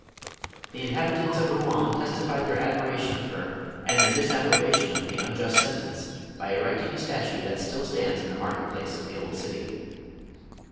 The inhabitants of Kouen testified their admiration of her and their dis approbation of the unjust sentence, by erecting a statue that still stands in the market place of the old city.